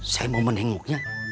saya mau menengoknya